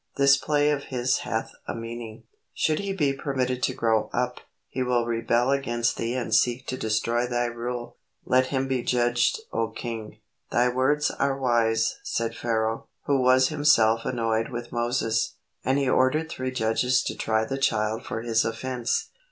This play of his hath a meaning. Should he be permitted to grow up, he will rebel against thee and seek to destroy thy rule. Let him be judged, O king." "Thy words are wise," said Pharaoh, who was himself annoyed with Moses, and he ordered three judges to try the child for his offence.